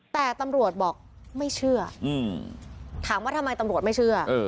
แต่ตำรวจบอกไม่เชื่อถามว่าทำไมตำรวจไม่เชื่อ